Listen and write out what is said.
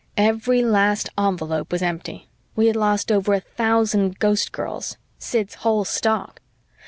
Every last envelope was empty. We had lost over a thousand Ghostgirls, Sid's whole stock.